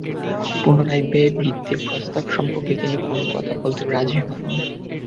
পুনরায় ব্যয় বৃদ্ধির প্রস্তাব সম্পর্কে তিনি কোনো কথা বলতে রাজি হননি।